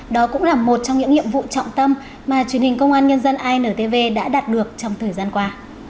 đó cũng là một trong những nhiệm vụ trọng tâm mà truyền hình công an nhân dân intv đã đạt được trong thời gian qua